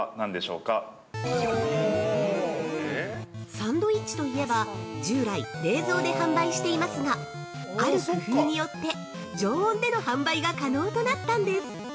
◆サンドイッチといえば、従来、冷蔵で販売していますがある工夫によって常温での販売が可能となったんです！